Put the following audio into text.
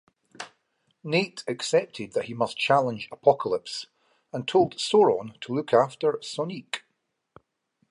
Nate accepted that he must challenge Apocalypse, and told Soaron to look after Sonique.